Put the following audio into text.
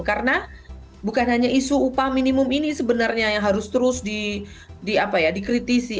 karena bukan hanya isu upah minimum ini sebenarnya yang harus terus dikritisi